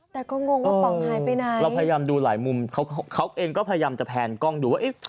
แต่ก็งงว่าป๋องหายไปไหนเราพยายามดูหลายมุมเขาเขาเองก็พยายามจะแพนกล้องดูว่าเอ๊ะ